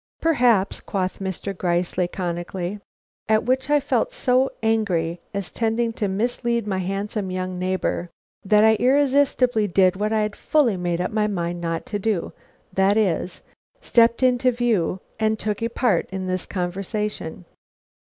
"Perhaps," quoth Mr. Gryce, laconically; at which I felt so angry, as tending to mislead my handsome young neighbor, that I irresistibly did what I had fully made up my mind not to do, that is, stepped into view and took a part in this conversation.